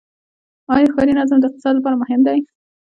آیا ښاري نظم د اقتصاد لپاره مهم دی؟